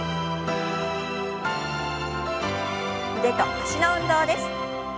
腕と脚の運動です。